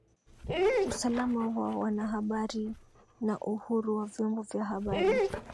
usalama wa wanahabari na uhuru wa vyombo vya habari